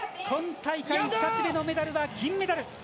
今大会２つ目のメダルは銀メダル。